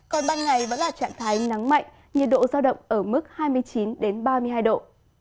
còn ban ngày vẫn là trạng thái nắng mạnh nhiệt độ giao động ở mức hai mươi chín ba mươi hai độ